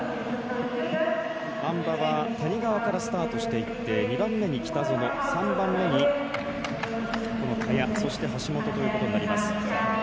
あん馬は谷川からスタートしていって２番目に北園、３番目に萱そして橋本ということになります。